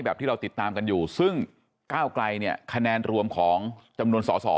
ที่เราติดตามกันอยู่ซึ่งก้าวไกลเนี่ยคะแนนรวมของจำนวนสอสอ